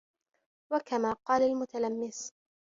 وَكَمَا قَالَ الْمُتَلَمِّسُ